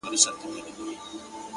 د سرو شرابو د خُمونو د غوغا لوري ـ